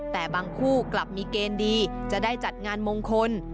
แต่บางคู่กลับมีเกณฑ์ดีจะได้จัดงานมงคล